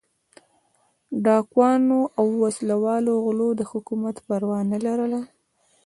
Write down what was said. ډاکوانو او وسله والو غلو د حکومت پروا نه لرله.